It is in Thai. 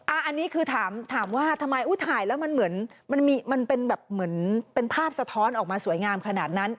อันนี้คือถามว่าทำไมถ่ายแล้วมันเหมือนเป็นภาพสะท้อนออกมาสวยงามขนาดนั้น